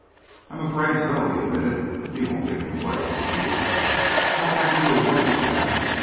"I'm afraid so," he admitted. "You won't give me away, will you?" "How can I give you away?" she asked.